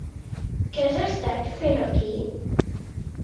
Què has estat fent aquí?